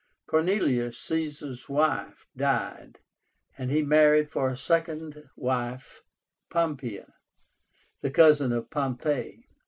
Cornelia, Caesar's wife, died, and he married for a second wife Pompeia, the cousin of Pompey.